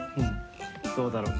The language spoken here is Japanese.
どうだろう？